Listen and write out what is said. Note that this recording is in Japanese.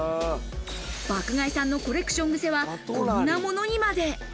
爆買いさんのコレクション癖は、こんなものにまで。